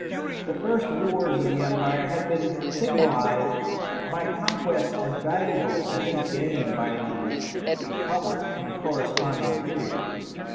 The first wars of the empire had been signalised by conquests as valuable as any gained by the republic in a corresponding period.